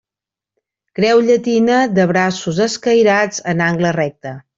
Creu llatina de braços escairats en angle recte.